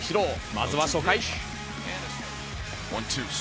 まずは初回。